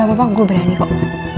apa apa gue berani kok